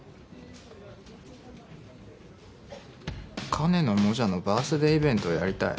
金野モジャのバースデーイベントをやりたい？